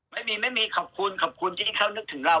ไม่มีไม่มีขอบคุณขอบคุณที่เขานึกถึงเรา